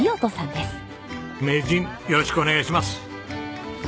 名人よろしくお願いします！